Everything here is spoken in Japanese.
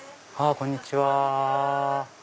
こんにちは。